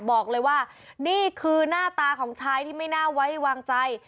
บอกเลยว่านี่คือหน้าตาของชายที่ไม่น่าไว้วางใจ